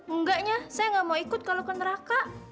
enggaknya saya nggak mau ikut kalau ke neraka